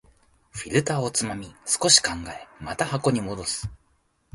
フィルターをつまみ、少し考え、また箱に戻す